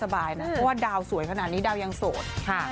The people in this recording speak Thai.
เพราะว่าดาวสวยขนาดนี้ดาวยังโสด